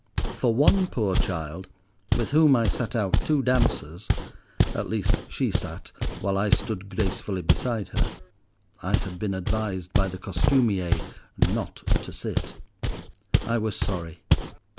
For one poor child, with whom I sat out two dances (at least she sat, while I stood gracefully beside her—I had been advised, by the costumier, not to sit), I was sorry.